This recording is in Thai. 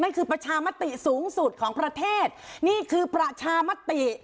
คือประชามติสูงสุดของประเทศนี่คือประชามติ